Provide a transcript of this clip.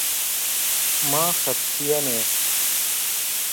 Ma xebitîyenê.